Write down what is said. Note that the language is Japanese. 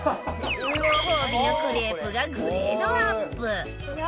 ご褒美のクレープがグレードアップ！